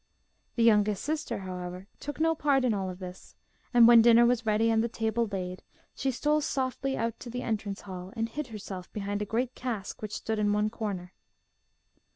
The youngest sister, however, took no part in all this, and when dinner was ready and the table laid, she stole softly out to the entrance hall, and hid herself behind a great cask which stood in one corner.